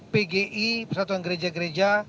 pgi persatuan gereja gereja